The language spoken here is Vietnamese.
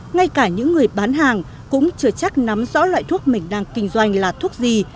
ngay cả những người bán hàng cũng chưa chắc nắm rõ loại thuốc mình đang kinh doanh là thuốc gì